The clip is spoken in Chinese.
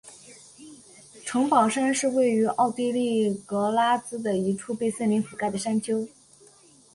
城堡山是位于奥地利格拉兹的一处被森林覆盖的山丘。